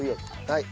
はい。